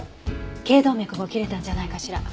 頸動脈も切れたんじゃないかしら。